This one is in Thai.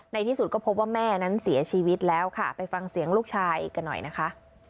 ที่สุดก็พบว่าแม่นั้นเสียชีวิตแล้วค่ะไปฟังเสียงลูกชายอีกกันหน่อยนะคะ